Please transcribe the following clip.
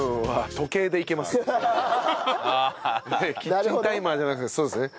キッチンタイマーじゃなくてそうですね。